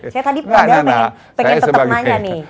saya tadi pada pengen ketemuannya nih